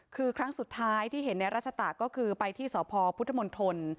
คือครั้งสุดท้ายที่เห็นในรัชตะก็คือไปที่สพพุทธมนตร